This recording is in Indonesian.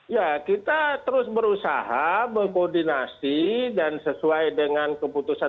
ya kita terus berusaha berkoordinasi dan sesuai dengan keputusan